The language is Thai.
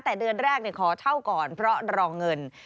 แต่เดือนแรกขอเช่าก่อนเพราะรอเงิน